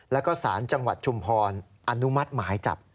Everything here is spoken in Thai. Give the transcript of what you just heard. แล้วก็สารจังหวัดชุมพรอนุมัติหมายจับ